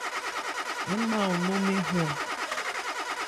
Ń ma an nó mɛ́n hwan.